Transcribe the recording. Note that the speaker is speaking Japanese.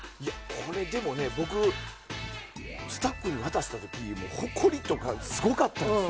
これ、僕スタッフに渡した時ほこりとかがすごかったんですよ。